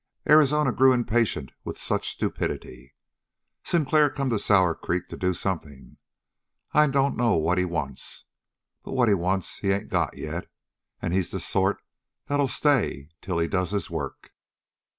Arizona grew impatient with such stupidity. "Sinclair come to Sour Creek to do something. I dunno what he wants, but what he wants he ain't got yet, and he's the sort that'll stay till he does his work."